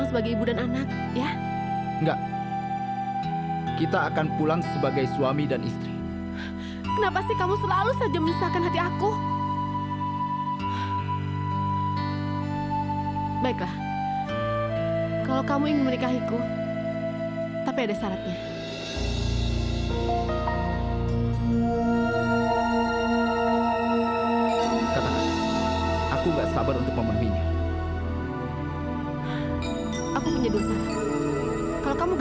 menunggu suai citarum dalam waktu semalam